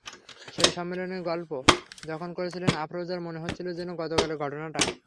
সেই সম্মেলনের গল্প যখন করছিলেন, আফরোজার মনে হচ্ছিল যেন গতকালের ঘটনা।